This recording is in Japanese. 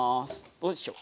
どうでしょう？